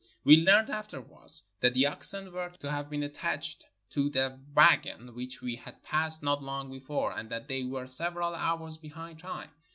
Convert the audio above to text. We learned afterwards that the oxen were to have been attached to 327 NORTHERN AFRICA the wagon which we had passed not long before, and that they were several hours behind time.